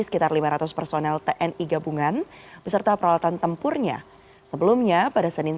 sekitar lima ratus personel tni gabungan beserta peralatan tempurnya sebelumnya pada senin